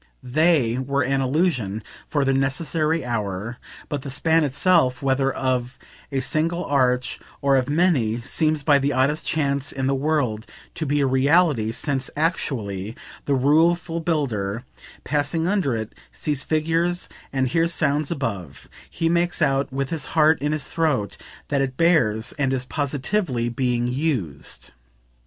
THEY were an illusion, for their necessary hour; but the span itself, whether of a single arch or of many, seems by the oddest chance in the world to be a reality; since, actually, the rueful builder, passing under it, sees figures and hears sounds above: he makes out, with his heart in his throat, that it bears and is positively being "used."